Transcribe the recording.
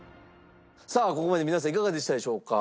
さあここまで皆さんいかがでしたでしょうか？